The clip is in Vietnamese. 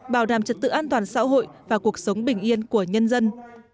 bảo đảm trật tự an toàn xã hội và cuộc sống bình yên của nhân dân